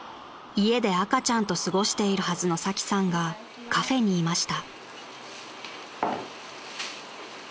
［家で赤ちゃんと過ごしているはずのサキさんがカフェにいました］